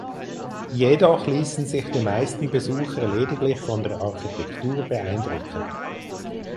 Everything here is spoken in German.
Jedoch ließen sich die meisten Besucher lediglich von der Architektur beeindrucken.